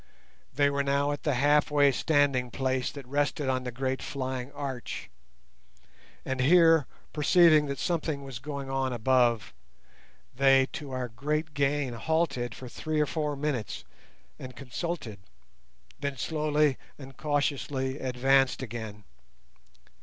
They were now at the half way standing place that rested on the great flying arch; and here, perceiving that something was going on above, they, to our great gain, halted for three or four minutes and consulted, then slowly and cautiously advanced again.